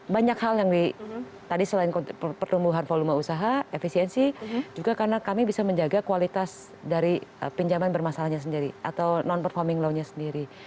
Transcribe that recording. banyak hal yang di tadi selain pertumbuhan volume usaha efisiensi juga karena kami bisa menjaga kualitas dari pinjaman bermasalahnya sendiri atau non performing low nya sendiri